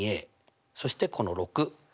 そしてこの６。